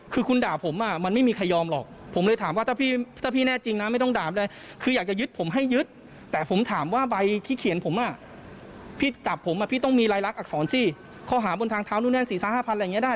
เขาหาบนทางเท้านู่นแห้งศีรษะ๕๐๐๐อะไรอย่างนี้ได้